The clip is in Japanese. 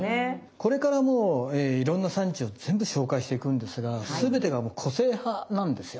これからもういろんな産地を全部紹介していくんですが全てがもう個性派なんですよ。